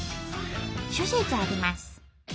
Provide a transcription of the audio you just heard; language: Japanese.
諸説あります。